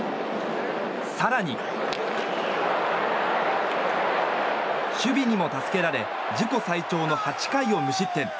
更に、守備にも助けられ自己最長の８回を無失点。